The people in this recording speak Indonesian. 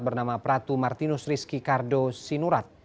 bernama pratu martinus rizki kardo sinurat